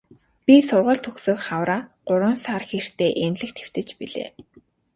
Би сургууль төгсөх хавраа гурван сар хэртэй эмнэлэгт хэвтэж билээ.